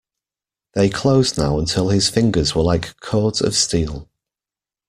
They closed now until his fingers were like cords of steel.